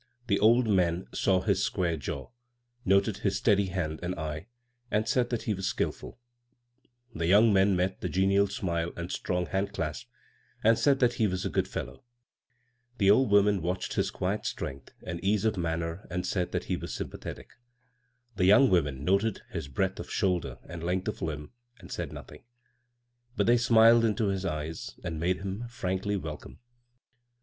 The old men saw his square jaw, noted his steady hand and eye, and said that he was skilful ; the young men met the genial smile and strong hand clasp, and said Aat he was a " good fellow "; the old women watched his quiet strength and ease of manner and said that he was sympathetic ; the young women noted his breadth of shoulder and length of limb — and said nothing ; but they smiled into his eyes and made him frankly wdcome.